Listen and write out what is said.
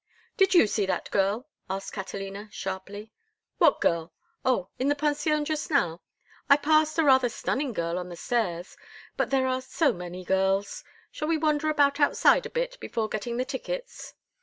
"Did you see that girl?" asked Catalina, sharply. "What girl? Oh, in the pension, just now. I passed a rather stunning girl on the stairs—but there are so many girls! Shall we wander about outside a bit before getting the tickets?"